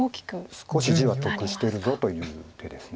少し地は得してるぞという手です。